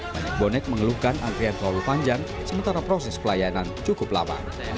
banyak bonek mengeluhkan antrian terlalu panjang sementara proses pelayanan cukup lama